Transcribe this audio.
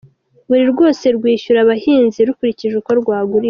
Buri rwose rwishyura abahinzi rukurikije uko rwaguriwe.